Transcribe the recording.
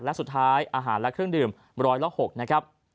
และสุดท้ายอาหารและเครื่องดื่ม๑๐๖บาท